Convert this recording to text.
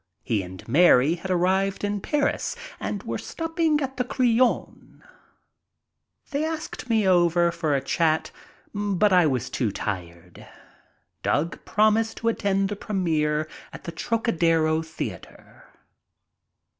He and Mary had arrived in Paris and were stopping at the Crillon, They asked me over for a chat but I was too tired. Doug promised to attend the pre midre at the Trocadero Theater.